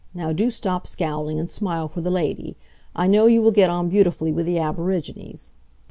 Now do stop scowling, and smile for the lady. I know you will get on beautifully with the aborigines."